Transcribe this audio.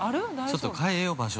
◆ちょっと変えよう、場所。